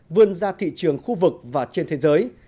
vươn ra thị trường khu vực và trên thế giới